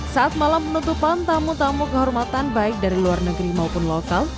saat malam penutupan tamu tamu kehormatan baik dari luar negeri maupun lokal